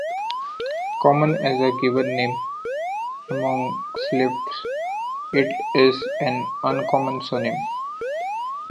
Common as a given name among Slavs, it is an uncommon surname.